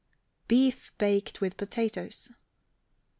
BEEF BAKED WITH POTATOES.